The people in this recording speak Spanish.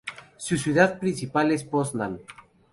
Su ciudad principal es Poznań.